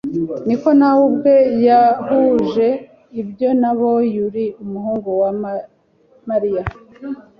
niko na we ubwe yahuje ibyo na boYari umuhungu wa Mariya;